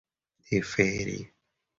deferir